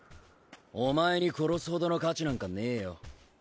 お前に殺すほどの価値なんかねえよ